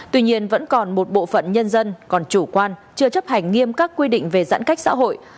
tuy nhiên vẫn còn một bộ phận nhân dân còn chủ quan chưa chấp hành nghiêm các quy định về giãn cách xã hội